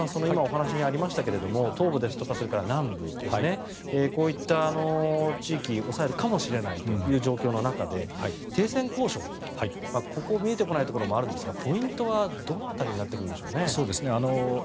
今、お話にありましたが東部ですとか南部ですねこういった地域を押さえるかもしれないという状況の中で停戦交渉、ここが見えてこないところがあるんですがポイントはどの辺りになってくるんでしょうね。